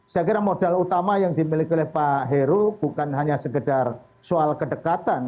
saya kira modal utama yang dimiliki oleh pak heru bukan hanya sekedar soal kedekatan